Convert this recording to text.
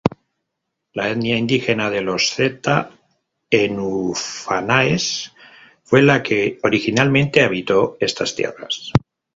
La etnia indígena de los Z"enufanáes", fue la que originalmente habitó estas tierras.